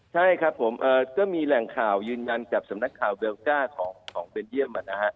ใช่ครับผมก็มีแหล่งข่าวยืนยันกับสำนักข่าวเวลก้าของเบลเยี่ยม